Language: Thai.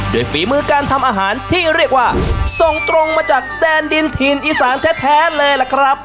ฝีมือการทำอาหารที่เรียกว่าส่งตรงมาจากแดนดินถิ่นอีสานแท้เลยล่ะครับ